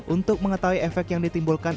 untuk mengetahui efek yang ditimbulkan